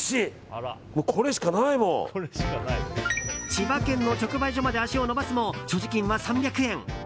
千葉県の直売所まで足を延ばすも所持金は３００円。